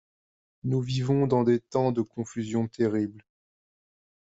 Nous vivons dans des temps de confusion terrible.